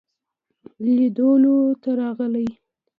لیدلو ته راغی.